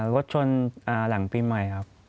รถชนหลังปีใหม่ครับ